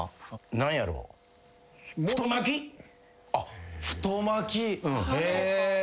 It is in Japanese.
何やろう？太巻き？へ。